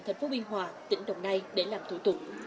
thành phố biên hòa tỉnh đồng nai để làm thủ tục